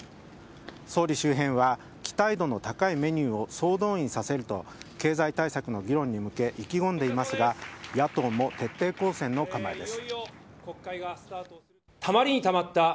総理周辺は期待度の高いメニューを総動員させると経済対策の議論に向け意気込んでいますが野党も徹底抗戦の構えです。